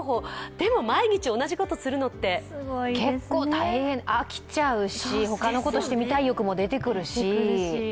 でも毎日同じことをするのって結構大変、飽きちゃうし、他のことしてみたい欲も出てくるし。